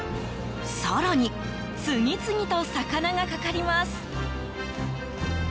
更に、次々と魚がかかります。